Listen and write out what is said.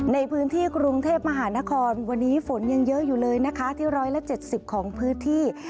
ในพื้นที่กรุงเทพมหานครวันนี้ฝนยังเยอะอยู่เลยนะคะที่๑๗๐ของพื้นที่